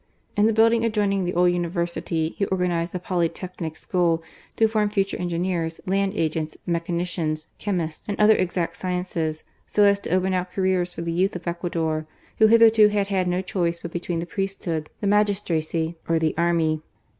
In the building adjoining the old University, he organized a Polytechnic School to form future engineers, land agents, mechanicians, chemists, and other exact sciences, so as to open out careers for the youth of Ecuador, who hitherto had had no choice but between the priesthood, the magistracy, or the army.